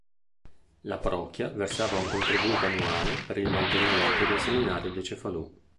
La parrocchia versava un contributo annuale per il mantenimento del seminario di Cefalù.